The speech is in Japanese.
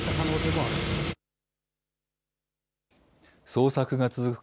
捜索が続く